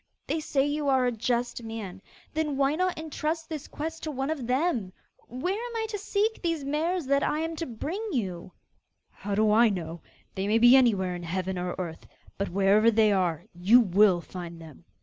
They say you are a just man; then why not entrust this quest to one of them? Where am I to seek these mares that I am to bring you?' 'How do I know? They may be anywhere in heaven or earth; but, wherever they are, you will have to find them.